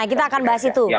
kita akan bahas itu